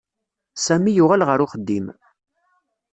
Sami yuɣal ɣer uxeddim.